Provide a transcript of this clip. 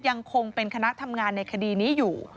ยังคงเป็นคณะทำงานในคดีนี้อยู่